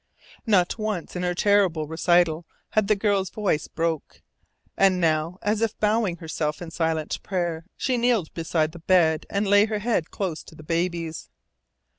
Not once in her terrible recital had the girl's voice broke. And now, as if bowing herself in silent prayer, she kneeled beside the bed and laid her head close to the baby's.